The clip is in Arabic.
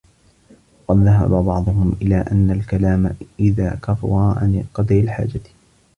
وَقَدْ ذَهَبَ بَعْضُهُمْ إلَى أَنَّ الْكَلَامَ إذَا كَثُرَ عَنْ قَدْرِ الْحَاجَةِ